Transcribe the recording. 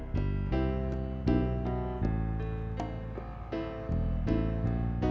biji dengar nyariin